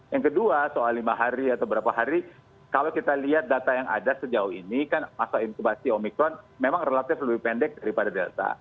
yang kedua soal lima hari atau berapa hari kalau kita lihat data yang ada sejauh ini kan masa inkubasi omikron memang relatif lebih pendek daripada delta